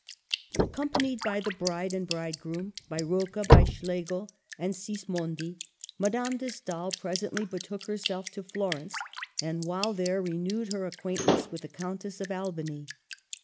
Accompanied by the bride and bridegroom, by Rocca, by Schlegel and Sismondi, Madame de Stael presently betook herself to Florence, and while there renewed her acquaintance with the Countess of Albany.